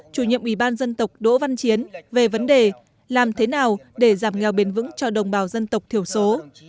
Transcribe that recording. chủ nhiệm ủy ban dân tộc đỗ văn chiến về vấn đề làm thế nào để giảm nghèo bền vững cho đồng bào dân tộc thiểu số